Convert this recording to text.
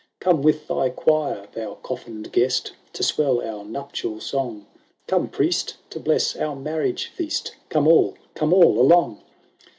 " Come with thy choir, thou coffined guest To swell our nuptial song ! Come, priest, to bless our marriage feast ! Come all, come all along